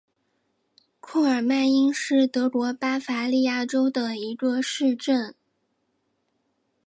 库尔迈因是德国巴伐利亚州的一个市镇。